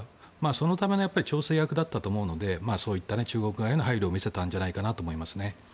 そのための調整役だったと思うので中国側への配慮を見せたのではないかと思いますね。